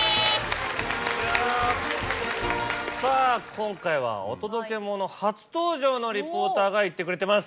今回は『お届けモノ』初登場のリポーターが行ってくれてます。